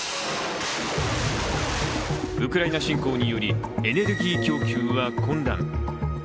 ウクライナ侵攻によりエネルギー供給は混乱。